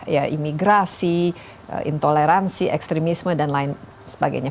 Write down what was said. ya imigrasi intoleransi ekstremisme dan lain sebagainya